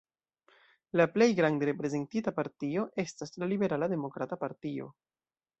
La plej grande reprezentita partio estas la Liberala Demokrata Partio.